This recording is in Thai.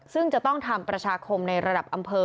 ซึ่งจะต้องทำประชาคมในระดับอำเภอ